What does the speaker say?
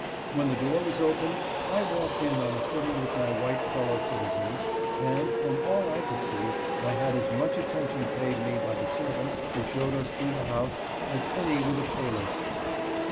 When the door was opened, I walked in on a footing with my white fellow citizens, and, from all I could see, I had as much attention paid me by the ser ' vants who showed us through the house as any with a paler skin.